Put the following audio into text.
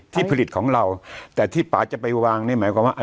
ที่ผลิตของเราแต่ที่ป่าจะไปวางนี่หมายความว่า